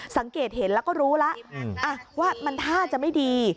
สังเกตเห็นแล้วก็รู้แล้วว่ามันท่าจะไม่ดี